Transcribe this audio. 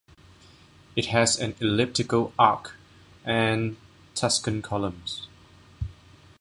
It has an elliptical arch and Tuscan columns.